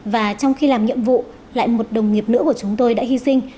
và trong khi làm nhiệm vụ lại một đồng nghiệp nữa của chúng tôi đã hy sinh